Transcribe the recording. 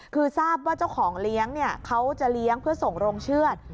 คือทราบว่าเจ้าของเลี้ยงเขาจะเลี้ยงเพื่อส่งโรงเชือด